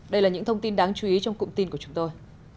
đây là những thông tin đáng chú ý trong cụm tin của chúng tôi